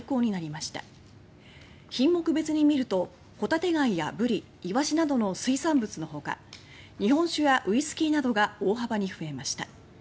品目別に見るとホタテ貝やブリ、イワシなどの水産物のほか日本酒やウイスキーなどが大幅に増えました。